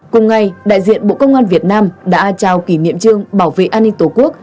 cùng ngày đại diện bộ công an việt nam đã trao kỷ niệm trương bảo vệ an ninh tổ quốc